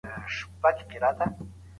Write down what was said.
ټولنيز ژوند اصول او قوانين لري.